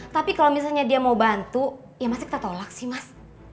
tapi kalau misalnya dia mau bantu ya masih kita tolak sih mas